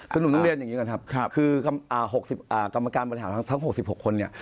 คือหนุ่มต้องเรียนอย่างนี้ก่อนครับคือ๖๐กรรมการบริหารทั้ง๖๖คนเนี่ย